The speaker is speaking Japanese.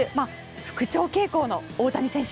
復調傾向の大谷選手